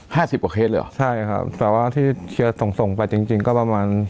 สิบกว่าเคสเหรอใช่ครับแต่ว่าที่เชียร์ส่งส่งไปจริงจริงก็ประมาณ